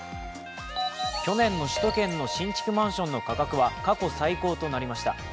去年の首都圏の新築マンションの価格は過去最高となりました。